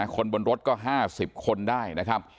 คนบนรถก็๕๐คนได้นะครับ